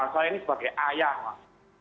saya ini sebagai ayah mas